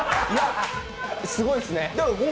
すごいですね。